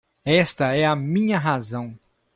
Esta é a minha razão